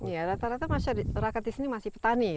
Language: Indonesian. ya rata rata masyarakat di sini masih petani ya